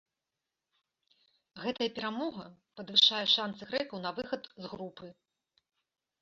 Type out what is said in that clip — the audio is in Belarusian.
Гэтая перамога падвышае шанцы грэкаў на выхад з групы.